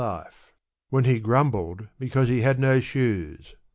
life, when he gambled because he had no shoes.